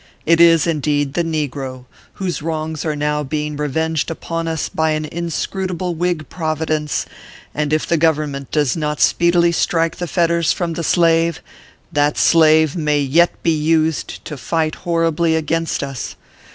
It is, indeed, the negro, whose wrongs are now being revenged upon us by an inscrutable Whig Providence ; and if the Govern ment does not speedily strike the fetters from the slave, that slave may yet be used to fight horribly against us.